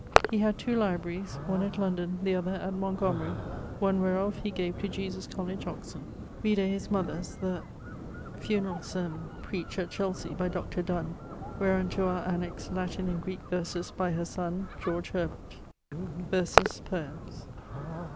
He had two libraries, one at London, the other at Montgomery; one[EY] wherof he gave to Jesus College, Oxon. Vide his mother's, the ..., funerall sermon, preached at Chelsey by Dr. Donne, wherunto are annexed Latin and Greeke verses by her sonne, George Herbert. _Verses. Poemes.